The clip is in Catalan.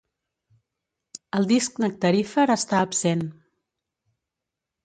El disc nectarífer està absent.